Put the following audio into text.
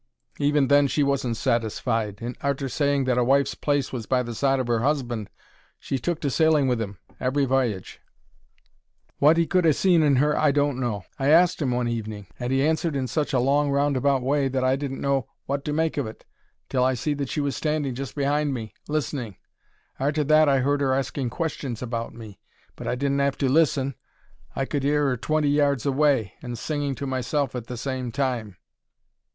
Even then she wasn't satisfied, and, arter saying that a wife's place was by the side of 'er husband, she took to sailing with 'im every v'y'ge. Wot he could ha' seen in 'er I don't know. I asked 'im one evening—in a roundabout way—and he answered in such a long, roundabout way that I didn't know wot to make of it till I see that she was standing just behind me, listening. Arter that I heard 'er asking questions about me, but I didn't 'ave to listen: I could hear 'er twenty yards away, and singing to myself at the same time.